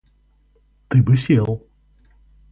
— Ты бы сел!